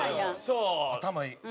頭いい。